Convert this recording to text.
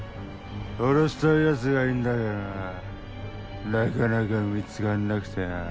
殺したいやつがいんだけどなぁなかなか見つかんなくてなぁ。